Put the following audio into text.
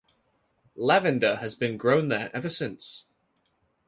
Lavender has been grown there ever since.